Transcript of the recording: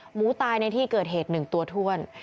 หมูตายในที่เกิดเหตุ๑ตัวถ้วน